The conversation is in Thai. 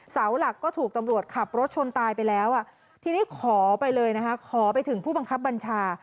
เสาหลักก็ถูกตำรวจขับรถชนตายไปแล้วอ่ะทีนี้ขอไปเลยนะคะขอไปถึงผู้บังคับบัญชา